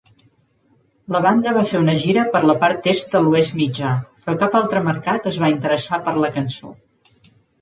La banda va fer una gira per la part est de l'Oest Mitjà, però cap altre mercat es va interessar per la cançó.